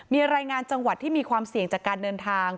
มีรายงานจังหวัดที่มีความเสี่ยงจากการเดินทาง